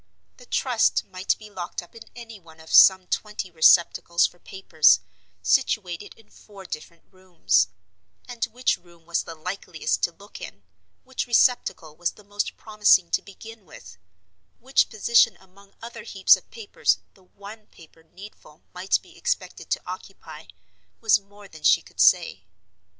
The Trust might be locked up in any one of some twenty receptacles for papers, situated in four different rooms; and which room was the likeliest to look in, which receptacle was the most promising to begin with, which position among other heaps of papers the one paper needful might be expected to occupy, was more than she could say.